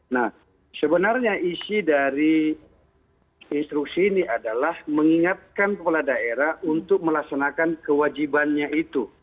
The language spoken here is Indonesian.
nah sebenarnya isi dari instruksi ini adalah mengingatkan kepala daerah untuk melaksanakan kewajibannya itu